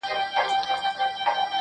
• په هغه ورځ به بس زما اختر وي.